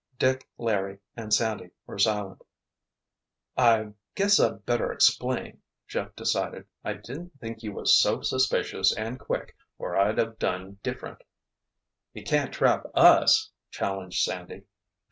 Dick, Larry and Sandy were silent. "I guess I better explain," Jeff decided. "I didn't think you was so suspicious and quick or I'd of done different." "You can't trap us!" challenged Sandy.